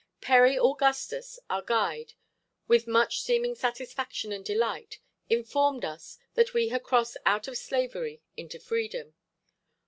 Perry Augustus, our guide, with much seeming satisfaction and delight, informed us that we had crossed out of slavery into freedom.